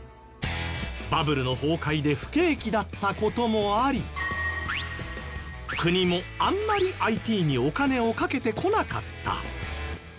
バブルの崩壊で不景気だった事もあり国もあんまり ＩＴ にお金をかけてこなかった